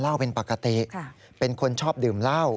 แล้วก็ลุกลามไปยังตัวผู้ตายจนถูกไฟคลอกนะครับ